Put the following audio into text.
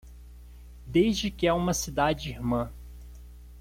Desde que é uma cidade irmã